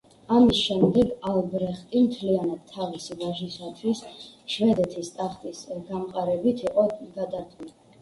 ამის შემდეგ ალბრეხტი მთლიანად თავისი ვაჟისათვის შვედეთის ტახტის გამყარებით იყო გადართული.